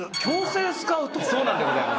「強制スカウト」